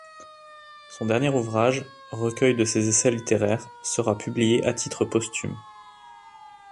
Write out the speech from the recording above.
Son dernier ouvrage, recueil de ses essais littéraires, sera publié à titre posthume.